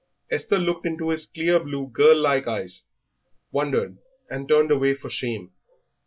Esther looked into his clear blue, girl like eyes, wondered, and turned away for shame.